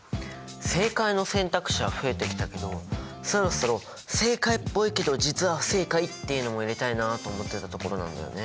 正解の選択肢は増えてきたけどそろそろ正解っぽいけど実は不正解っていうのも入れたいなと思ってたところなんだよね。